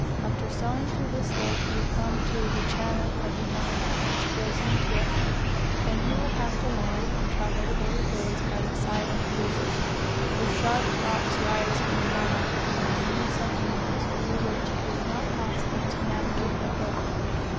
After sailing through this lake you will come to the channel of the Nile, which flows into it: then you will have to land and travel forty days by the side of the river, for sharp rocks rise in the Nile, and there are many sunken ones, through which it is not possible to navigate a boat.